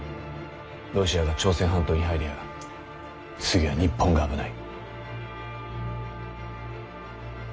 ロシアが朝鮮半島に入りゃ次は日本が危ない。